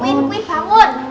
wih wih bangun